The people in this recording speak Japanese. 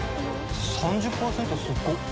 ・３０％すごっ！